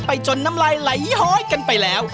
จนน้ำลายไหลห้อยกันไปแล้ว